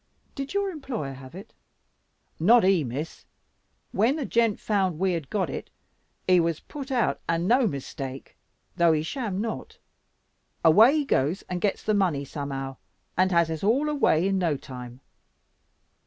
Did your employer have it?" "Not he, Miss. When the gent found we had got it, he was put out and no mistake; though he sham not. Away he goes and gets the money somehow, and has us all away in no time."